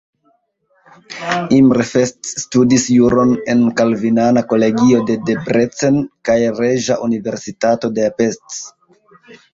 Imre Fest studis juron en kalvinana kolegio de Debrecen kaj Reĝa Universitato de Pest.